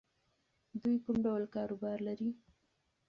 دوی کوم ډول کاروبار لري؟